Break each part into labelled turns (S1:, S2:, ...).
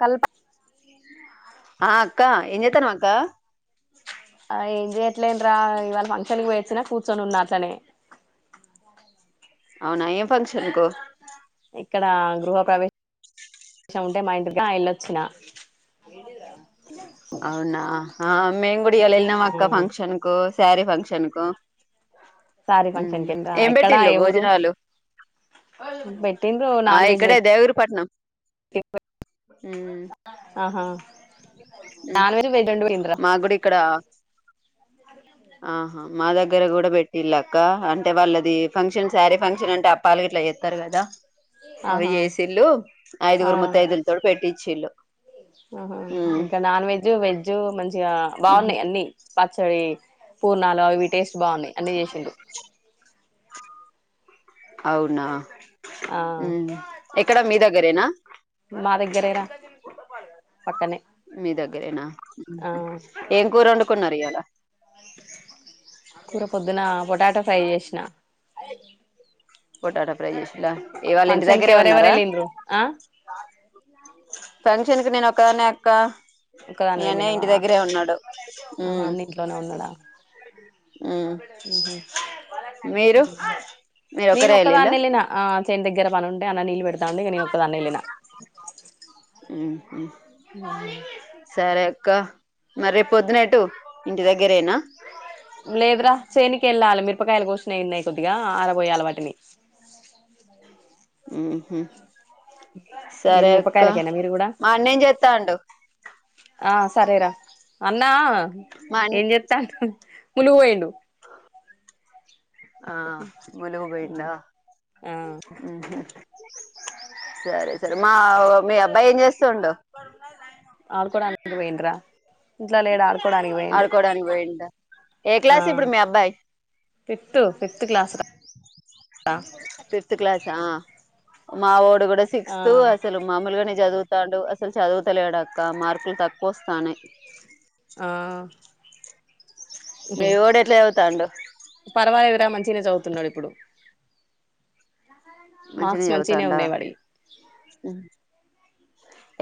S1: కల్ప
S2: ఆ అక్క ఏం చేతానవ్ అక్క
S1: జేయట్లేం రా ఇవాళ ఫంక్షన్ కి పోయిచ్చినా కూర్చొని ఉన్నా అట్లనే.
S2: అవునా ఏం ఫంక్షన్ కు
S1: ఇక్కడ గృహ ప్రవేశం ఉంటే మా ఇంటికి వెల్ళొచ్చిన
S2: అవునా ఆ మేం గుడ ఇయాల వెల్నాం అక్క ఫంక్షన్ కు శారీ ఫంక్షను కు
S1: సారీ
S2: ఉమ్,
S1: ఫంక్షన్ కింద
S2: ఏం
S1: ఎక్కడా
S2: పెట్టిల్లు
S1: ఏ ఊరు
S2: భోజనాలు
S1: పెట్టింద్రు
S2: ఆ
S1: నాన్ వెజ్
S2: ఇక్కడే దేవగిరిపట్నం
S1: పెట్టి
S2: ఉమ్,
S1: ఆహా
S2: ఉమ్.
S1: నన వరు పేటండ పోంద్ర [unintelligible]
S2: మాకు కూడా ఇక్కడ ఆహా మా దగ్గర కూడా పెట్టిళ్ళక్క అంటే వాళ్ళది ఫంక్షన్ శారీ ఫంక్షన్ అంటే అప్పాలు గిట్లా చేత్తారు కదా అవి
S1: ఆహా
S2: చేసిళ్ళు
S1: ఆ
S2: ఐదుగురు ముత్తైదులతోటి పెట్టిచ్చిళ్ళు
S1: ఆహా ఇంకా నాన్ వెజ్ వెజ్జు మంచిగా బాగున్నాయి అన్ని పచ్చడి పూర్ణాలు అవి టేస్ట్ బాగున్నాయి అన్నీ చేసిండ్రు
S2: అవునా
S1: ఆ
S2: మ్మ్ ఎక్కడ మీ దగ్ గరేనా
S1: మా దగ్గరే రా పక్కనే
S2: మీ దగ్గరేనా మ్మ్
S1: ఆ
S2: హ్మ్ ఏం కూరు వండుకున్నారు ఇయాళ,
S1: కూర థాంక్యూ
S2: పొటాటో ఫ్రై చేషిలా
S1: ఫంక్షన్ కి ఎవరెవరు వెల్లిండ్రు ఆ నా [unintelligible]
S2: ఫంక్షన్ కి నేను ఒక్కదాన్నే అక్క
S1: ఒక్కదాని
S2: మీ ఆన్నయ్య
S1: వెళ్ళినవా
S2: ఇంటి దగ్గరే ఉన్నాడు ఊ
S1: ఆహా అన్న ఇంట్లోనే ఉన్నాడా
S2: మీరు మీరు
S1: నేను
S2: ఒక్కరే ఎల్లిల్లా
S1: ఒక్కదాన్నెళ్ళినా ఆ చేను దగ్గర పనుంటే అన్న న్నీళ్ళు పెడత్ తాందికు నేను ఒక్కదాన్నే ఎల్లిన
S2: ఊహూ సరే క మరి రేపు పొద్దున ఎటు ఇంటి దగ్గరేనా
S1: లేదురా చేనికి ఎళ్ళాలి మిరపకాయలు కొసినయి ఉన్నయి కొద్దిగా ఆరబోయాలి వాటిని.
S2: హుహ్
S1: మీరు
S2: సరే అక్కా.
S1: మిరపకాయలకేనా మీరు కూడా
S2: మాన్నెం చెత్తాండు.
S1: ఆ సరేరా. అన్నా
S2: మా
S1: ఎం చెత్తాండు. ములుగు పోయిండు.
S2: అ ఆ ములుగు పోయిండా
S1: ఆ
S2: హుహ్ సరే సరే మావో మీ అబ్బాయి ఏం చేస్తుండు
S1: ఆడుకోవడానికి పోయిండ్రా ఇంట్లో లేడు ఆడు
S2: ఆడుకోడానికి పోయిండా ఏ
S1: ఆ
S2: క్లాస్ ఇప్పుడు మీ అబ్బాయి
S1: ఫిఫ్త్ ఫిఫ్త్ క్లాస్ రా
S2: ఫిఫ్త్ క్లాస్ ఆ మా వోడ్ డూ గూడా
S1: ఆ
S2: సిక్త్ అసలు మామూలుగానే చదువు స్తాడు అసలు చదువుతలేడుక్క మార్కులు తక్కువ వస్తానయి.
S1: ఆ
S2: మీ వోడు ఎట్లా చదువుతాండు
S1: పర్వాలేదురా మంచిగనే చదువుతున్నడు ఇప్పుడు. మార్క్స్ మంచిగనే ఉన్నయి వాడియి.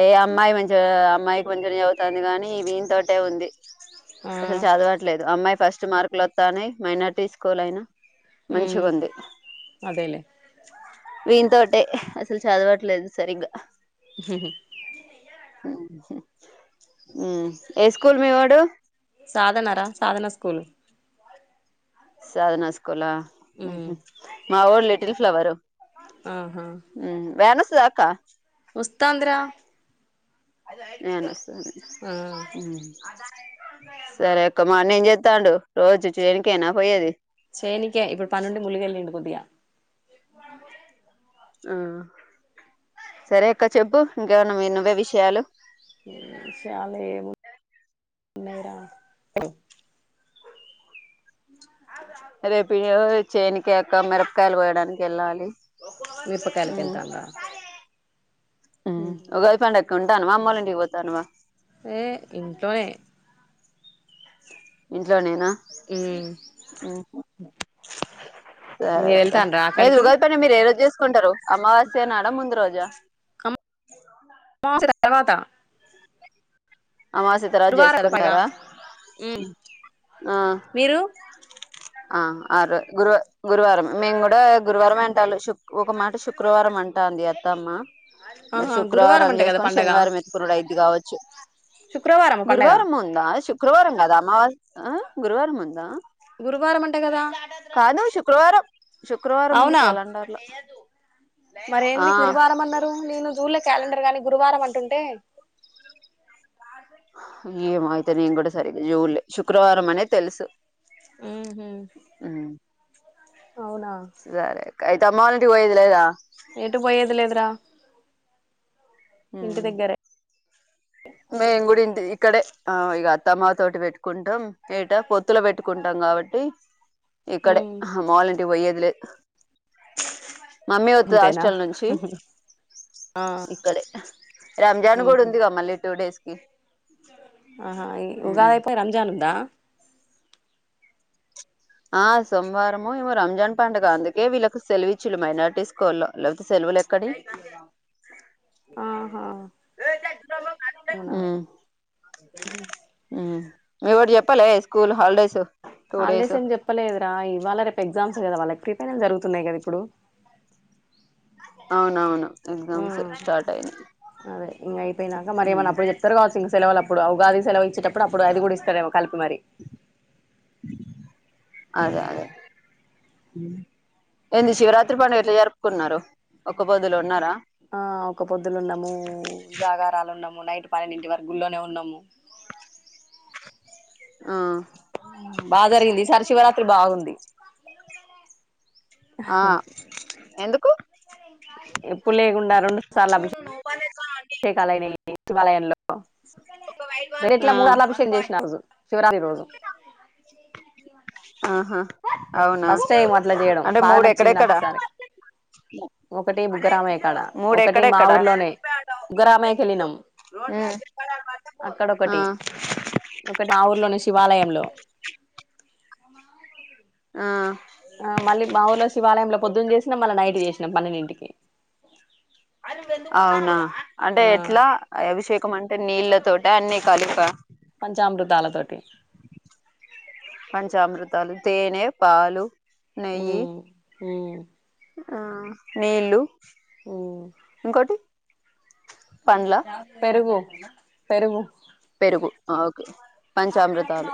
S2: ఏ అమ్మాయి మంచిగా అమ్మాయికి మంచిగనే చదువుతాంది కానీ వీని తోటే ఉంది.
S1: ఆ
S2: అసలు చదువట్లేదు. అమ్మాయి ఫస్ట్ మార్కులు వత్తన్నయి మైనార్టీ స్కూల్ అయినా
S1: హ్ అదేలే
S2: వీంన్ తోటే అసలు చదవట్లేదు సరిగ్గా. హ్ ఏ స్కూల్ మీవొడు.
S1: సాధనరా సాధన స్కూల్.
S2: సాధన స్కూలా
S1: మ్మ్
S2: హుహ్ మావోళ్లేట్ లిటిల్ ఫ్లవరు.
S1: ఆహా
S2: స్తదా అక్కా.
S1: వస్తాందిరా.
S2: నేను
S1: ఆ
S2: హ్ సరే అక్కా మా అన్నా ఎం చేత్తాండు రోజు చేనుకేనా పోయేది.
S1: చేనికే ఇప్పుడు పనుండి ములుగు ఎల్లిండు కొద్దిగా. [inaudible]
S2: ఆ సరే అక్క చెప్పు ఇంకా ఎమన్నా నువ్వే విషయాలు.
S1: సయాల నేర
S2: రేపు ఇ చేనకి క మిరపకాయలు పోయడానికి వెళ్ళాలి
S1: విప్పకాయలకి
S2: ఉమ్
S1: వెళ్తాంద
S2: తన్వా అమ్మవాళ్ళ ఇంటికి పోతున్నావా
S1: ఏ ఇంట్లోనే
S2: ఇంట్లో నేను
S1: మ్మ్
S2: సరే
S1: మీరు
S2: అక్క
S1: వెళ్తాండ్రా అక్కడికి
S2: ఏదురుగాది పని మీరు ఏ రోజు చేస్త తీకుంటరు అమావాస్య నాడ ముందు రోజా.
S1: ముచ్చట తర్వాత
S2: అమావాస్య తర్వతా
S1: గురువారం కదా పైగా
S2: చేసుకుంటారా.
S1: మ్మ్
S2: ఆ
S1: మీరు
S2: ఆ ఆ గురువ గురువారం మేము కూడా గురువారం అంటాల్లు ఒక మాట శుక్రవారం అంటాంది అత్తమ్మ. మరి
S1: ఆహా గురువారం
S2: శుక్రవారం
S1: అంట కదా
S2: చేసుకొని శనివారం ఎత్తుకునుడు అయిద్ది కావచ్చు.
S1: శుక్రవారమ పండగ
S2: గురువారం ఉందా శుక్రవారం కదా అమావస్ అ గురువారం ముందా
S1: గురువారం అంట కదా
S2: కాదు శు శుక్రారు శుక్రవారం ఉంది
S1: అవునా
S2: క్యాలెండర్ లో ఆ
S1: మరేంది గురువారం అన్నారు, నేను జూన్ లో క్యాలెండర్ గానీ గురువారం అం టంటే
S2: ఏమ అవుతే నేను కూడా సరి జూన్లే శుక్రవారం అనేది తెలుసు
S1: ఉ మ్ అవునా
S2: సరే అయితే అమ్మ వాంటికి పోయేదులే లేదా
S1: ఏటు పోయేది లేదురా ఇంటి
S2: లేదా
S1: దగ్గరే
S2: మేము కూడా ఇంటి, ఇక్కడే ఇక అత్తమ్మ తోటి పెట్టుకుంటాం, ఏటా పొత్తుల పెట్టుకుంటాం కాబట్టి ఇక్కడే
S1: ఉమ్
S2: మాములుంటివి పోయ్యేదిలేదు మమ్మీ వతుంది
S1: అంతేనా
S2: హాస్టల్ నుంచి
S1: ఆ
S2: ఇక్కడే రాంజాన్ కూడా
S1: ఉహు
S2: ఉందిగా మళ్ళీ డేస్కి
S1: ఆహా ఉగాదే పోయి రంజాన్ ఉందా
S2: ఆ సోమవారము ఏమో రంజాన్ పండుగ అందుకే వీళ్ళకి సెలవు ఇచ్చరు, మైనారిటీ స్కూల్లో లేకపోతే సెలవులు ఎక్కడి
S1: ఆహా అవునా
S2: మ్ మీకు ఎవరు చెప్పాలే school holidays two
S1: holidays
S2: days
S1: అని చెప్ ప్పలేదురా ఇవాళ రేపు ఎగ్జామ్స్ కదా వాళ్ళకి ప్రీ ఫైనల్ జరుగుతున్నాయి కదా ఇప్పుడు
S2: అవునవును
S1: ఊ
S2: ఎగ్జామ్స్ స్టార్ట్ అయినాయి
S1: అదే ఇంగ అయిపోయినాక
S2: ఉమ్
S1: మరేమన్నా అప్పుడు చెప్తారు కావచ్చు ఇంక సెలవులప్ ఇప్పుడు ఉగాది సెలవు ఇచ్చేటప్పుడు అది కూడా ఇస్తడెమో కలిపి మరి
S2: అదే అదే ఏంది శివరాత్రి పండుగ, ఎట్లా జరుపుకున్నారు ఒక్క పొద్దులో ఉన్నారా.
S1: ఆ ఒక పొద్దులున్నాము జాగారాలు ఉన్నాము నైట్ పాలని ఇంటి వర గుల్లోనే ఉన్నాము
S2: ఆ
S1: బాగా జరిగింది ఈ సారి శివరాత్రి బాగుంది
S2: ఆ ఎందుకు
S1: ఎప్పుడు లేకుండా రెండు సార్లు అభిషేక్ అభిషేకాలుయినాయి ఈ శివాలయంలో ఎట్లా
S2: ఆ
S1: మూళ్ళభిషేకం చేసిన ఆ రోజు శివరాత్రి రోజు
S2: ఆహా అవునా
S1: ఫస్ట్ అట్లా చేయడం
S2: అంటే
S1: బాగా
S2: మూడు
S1: నచ్చింది. నాకు
S2: ఎక్కడెక్కడ
S1: ఈ సారి ఒకటి బుగ్గరామయ్య కాడ,
S2: మూడు
S1: ఒకటి మా
S2: ఎక్కడెక్కడ
S1: ఊర్లోనే బుగ్గరామయ్యకి వెళ్ళినాము, అక్కడ
S2: ఆ
S1: ఒకటి ఒకటి మా ఊర్లోనే శ్. శివాలయంలో
S2: ఆ
S1: ఆ మళ్ళీ మా ఊళ శివాలయంలో పొద్దున్న చేసిన మళ్ళీ నైట్ చేశ్ న పన్నెంటికి
S2: అవునా అంటే
S1: ఆ
S2: ఎట్లా అభిషేకం అంటే నీళ్ తోటా అన్నీ కలిపా
S1: టి
S2: పంచామృతాలు తేనె పాలు నెయ్యి
S1: మ్ మ్
S2: ఆ నీళ్ళు
S1: ఉమ్
S2: ఇంకోటి పండ్ల
S1: పెరుగు పెరుగు
S2: పెరుగు అ పంచామృతాలు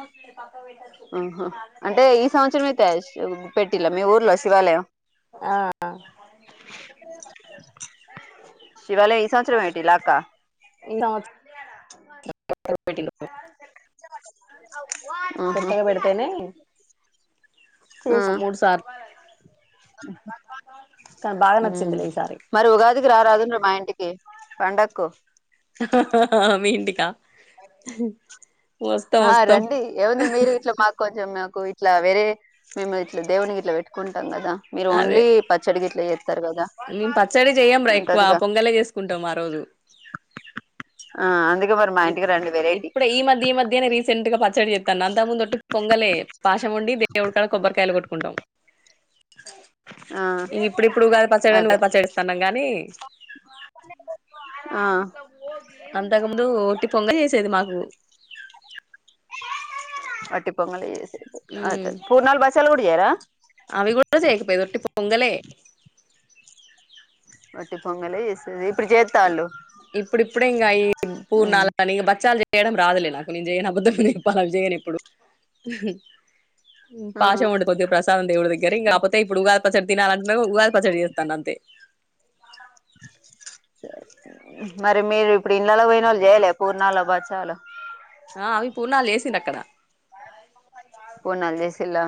S2: హా హా అంటే, ఈ సంవత్సరం అయితే పెట్టిలా మీ ఊర్లో శివాలయం,
S1: ఆ
S2: శివాలయ సంవత్సరంటిలా అక్క
S1: ఇనా [unintelligible] పెట్టిళ్ళు
S2: హుహు
S1: పెడితేనే
S2: ఆ
S1: చేసాం మూడు సార్లు కానీ బాగా
S2: హుమ్
S1: నచ్చిందిలే ఈసారి
S2: మరి ఉగాదికి రారాదు మా ఇంటికి పండకు
S1: మీ ఇంటికా వస్తాం
S2: ఆ
S1: వస్తాం
S2: రండి ఏముంది మీరు ఇట్లా మాకు కొంచెం మాకు ఇట్లా వేరే మేము ఇట్లా దేవుని గిట్ల పెట్టుకుంట ఇస్తాం కదా మీరు
S1: అదే
S2: ఓన్లీ పచ్చడి గిట్ల చేస్త
S1: మేము పచ్చడి చేయ్యం రా ఎక్కువ పొంగలే చేసుకుంటాం ఆ రోజు
S2: ఆ అందు
S1: ఇప్పుడే ఈ మధ్య ఈ మధ్యనే రిస్ సంటుగా పచ్చడి చే తను అంతకముందు వట్టి పొంగలే, పాషం వండి దేవుడిక్కడ కొబ్బరికాయలు కొట్టుకుంటాం.
S2: ఆ
S1: ఇప్పుడిప్పుడు ఉగాది పచ్చడని
S2: అదే
S1: పచ్చడి చేస్తున్నాం గాని
S2: ఆ
S1: అంతకుముందు ఒట్టి పొంగ చేసేది మాకు
S2: వటి పొంగలి చెస్ అ
S1: మ్మ్
S2: పూర్ణాలు బచ్చలు కూడా చేయార
S1: అవి కూడా చేయకపోయేది వట్టి పొంగలే
S2: వట్టి పొంగలే చేసేది ఇప్పుడు చేత్తాళ్ళు
S1: ఇప్పుడు ఇప్పుడే ఇంగ ఈ పూర్ణాలు అని బచ్చాల చేయడం రాదులే నాకు నేను చేయను అబద్ధం చెప్పాలా అది చేయను ఎప్పుడు
S2: ఆ
S1: పాషం ఉండిపోది ప్రసాదం దేవుడి దగ్గర ఇంకపోతే ఇప్పుడుగా పచ్చడి తినాలన్న ఉగాది పచ్చడి చేస్తాను అంతే
S2: మరి మీరు ఇప్పుడు ఇళ్లలో పోయిన వాళ్ళు చేయలే పూర్ణాల బచ్చాలు
S1: ఆ అవి పూర్ణాలు చేసి సినక్కడ
S2: పూర్ణాలు చేసిలా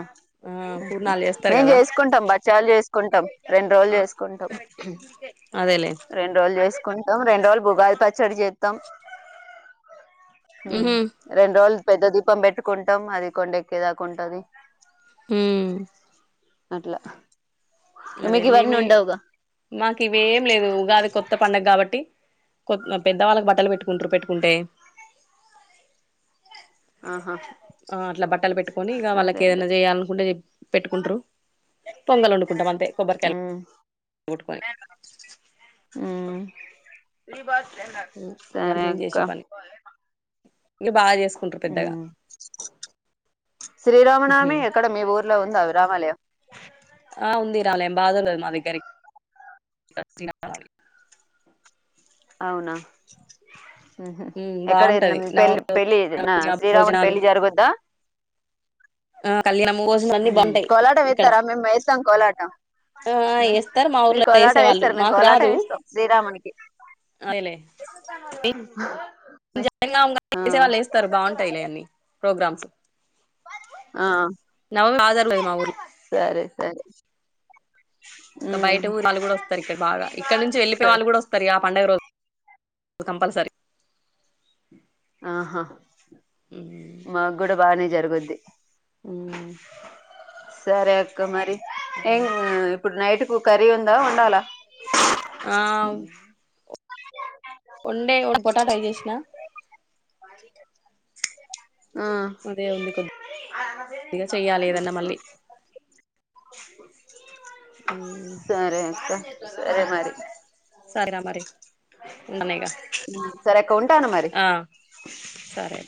S1: ఆ పూర్ణాలు చేస్తారు
S2: మేం
S1: కదా
S2: చేసుకుంటాం బచ్చలు చేసుకుంటాం రెండు రోజులు చేసుకుంటాం
S1: అదేలే
S2: రెండు రోజులు చేసుకు కుంటాం రెండు రోజులు ఉగాది పచ్చడి చేతం హమ్
S1: మ్మ్
S2: రెండు రోజులు పెద్ద దీపం పెట్టుకుంటాం అది కొండ ఎక్కేదాకుంటది
S1: హమ్
S2: అట్లా
S1: అదే
S2: మీకు ఇవన్నీ
S1: మేమి
S2: ఉండవుగా
S1: మాకు ఇవి ఏం లేదు ఉగాది కొత్త పండగ కాబట్టి కొ పెద్ద వాళ్ళకు బట్టలు పెట్టుకుంటారు పెట్టుకుంటే
S2: ఆహా
S1: ఆ అట్లా బట్టలు పెట్టుకొని ఇక
S2: అదే
S1: వాళ్ళకి
S2: అదే
S1: ఏదైనా చేయాలనుకుంటే పెట్టుకుంటారు పొంగల్ వండు కుంటమంతే కొబ్బరికెల్
S2: ఉమ్ ఉమ్ మీ బత్
S1: ఇంక
S2: సరే అక్క
S1: ఇలు బాగా చేసుకుంటారు పెద్దగా
S2: శ్రీరామనామి ఎక్కడ మీ ఊర్లో ఉం ఎంతావు రామాలయం
S1: ఆ ఉంది రలయం బాగా ఉంటది మాదగ్గరికి [unintelligible]
S2: అవునా ఉహూ ఎక్కడ
S1: బాగుంటది
S2: పెళ్
S1: నవ
S2: పెళ్ళి జరిగినా శ్రీరామున్
S1: భోజనాలు
S2: పెళ్ళి జరగద్దా
S1: ఆ కళ్యాణము భోజనాలు అన్ని బాగుంటాయి
S2: కోలాటం
S1: ఇక్కడ
S2: వేస్తారా మేము వేస్తాం కోలాటం
S1: ఆ వేస్తారు మా
S2: మీరు
S1: ఊర్లో
S2: కోలాటం
S1: వేసేవాళ్ళు
S2: వేస్తార మేము
S1: మాకు
S2: కోలాటం
S1: రాదు
S2: వేస్తాం శ్రీరామున్కి [inaudible] ఆ
S1: [unintelligible] ఏసే వాళ్ళు లేస్తారు బాగుంటాయిలే అన్నీ ప్రోగ్రామ్స్
S2: ఆ
S1: నవి ఆధారం లేదు మా ఊర్లో
S2: సరే సరే
S1: ఇంకా
S2: ఉమ్
S1: బయట ఊరి వాళ్ళు కూడా వస్తారు ఇక్కడ బాగా ఇక్కడ నుంచి వెళ్ళపోయే
S2: సరే
S1: వాళ్ళు కూడా వస్తారు ఆ పండుగ రోజ కంపల్సరీ
S2: ఆహా మాకు కూడా బానే జరుగుద్ది అది సరే అక్క మరి ఏం ఇప్పుడు నైట్ కు కర్రీ ఉందా వండాలా
S1: ఆ వండే పొటాటై చేసిన
S2: [inaudible] ఆ
S1: అదే ఉంది కొద్దిగా చెయ్యాలి ఏదన్నా మళ్ళీ ఉ
S2: సరే అక్క సరే
S1: ఇంకా
S2: మరి
S1: సరేనా మరి ఉంటాను ఇక
S2: సరే అక్క ఉంటాను మరి
S1: ఆ సరే